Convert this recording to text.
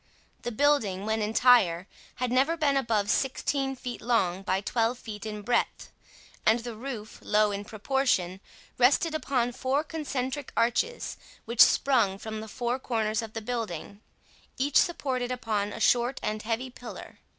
The building, when entire, had never been above sixteen feet long by twelve feet in breadth, and the roof, low in proportion, rested upon four concentric arches which sprung from the four corners of the building, each supported upon a short and heavy pillar.